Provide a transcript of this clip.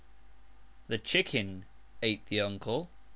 The chicken ate the uncle.